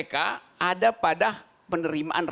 sekarang dianggap itu bukan extraordinary crime